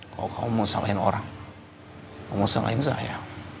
kalau kamu mau salahin orang kamu salahin saya